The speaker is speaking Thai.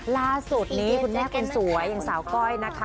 ล่าสุดนี้คุณแม่คนสวยอย่างสาวก้อยนะคะ